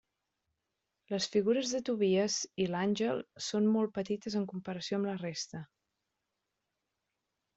Les figures de Tobies i l'àngel són molt petites en comparació amb la resta.